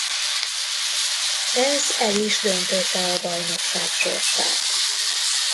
Ez el is döntötte a bajnokság sorsát.